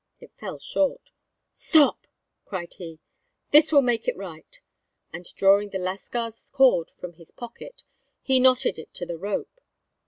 It fell short. "Stop!" cried he. "This will make it right;" and drawing the lascar's cord from his pocket, he knotted it to the rope.